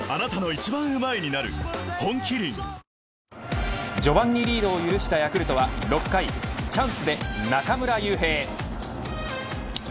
本麒麟序盤にリードを許したヤクルトは６回、チャンスで中村悠平。